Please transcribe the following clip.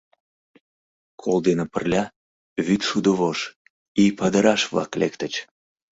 Кол дене пырля вӱд шудо вож, ий падыраш-влак лектыч.